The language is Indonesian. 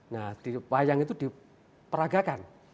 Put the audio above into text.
nah di wayang itu diperagakan